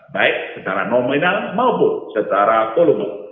baik secara nominal maupun secara volume